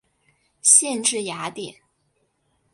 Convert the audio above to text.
县治雅典。